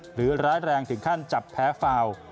หรือร้ายแรงถึงขั้นจับแพ้ฟาวล์